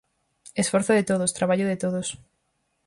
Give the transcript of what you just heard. Esforzo de todos, traballo de todos.